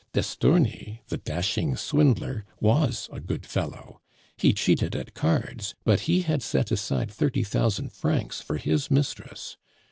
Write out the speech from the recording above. D'Estourny, the dashing swindler, was a good fellow; he cheated at cards, but he had set aside thirty thousand francs for his mistress.